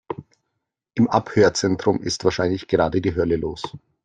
Im Abhörzentrum ist wahrscheinlich gerade die Hölle los.